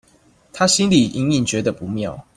她心裡隱隱覺得不妙